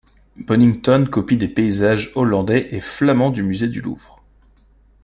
Bonington copie des paysages hollandais et flamands du musée du Louvre.